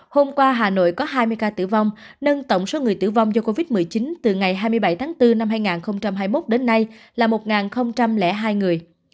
hôm qua hà nội có hai mươi ca tử vong nâng tổng số người tử vong do covid một mươi chín từ ngày hai mươi bảy tháng bốn năm hai nghìn hai mươi một đến nay là một hai người